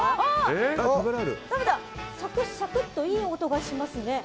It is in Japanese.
サクサクといい音がしますね。